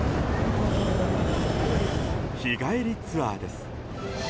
日帰りツアーです。